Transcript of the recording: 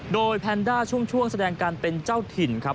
โดยแพนด้าช่วงแสดงการเป็นเจ้าถิ่นครับ